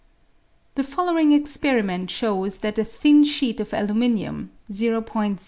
The following experiment shows that a thin sheet of aluminium (o oi m.